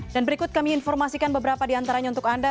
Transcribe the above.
dan berikut kami informasikan beberapa di antaranya untuk anda